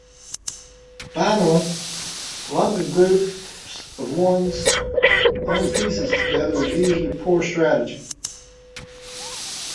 Finally, lumping groups of one's own pieces together is usually poor strategy.